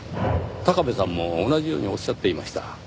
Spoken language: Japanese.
高部さんも同じようにおっしゃっていました。